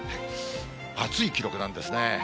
暑い記録なんですね。